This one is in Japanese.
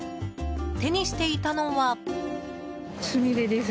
手にしていたのは。